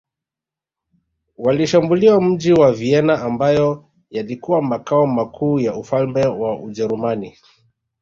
Walishambulia mji wa Vienna ambayo yalikuwa makao makuu ya ufalme wa Ujerumani